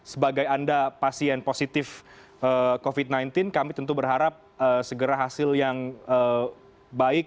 sebagai anda pasien positif covid sembilan belas kami tentu berharap segera hasil yang baik